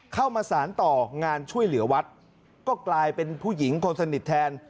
เข้ามาสารต่องานช่วยเหลือวัดก็กลายเป็นผู้หญิงคนสนิทแทน